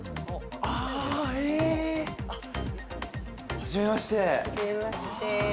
はじめまして。